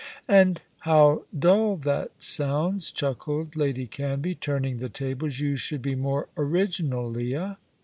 "And how dull that sounds," chuckled Lady Canvey, turning the tables; "you should be more original, Leah."